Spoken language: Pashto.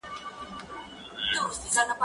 زه بايد کتاب وليکم،،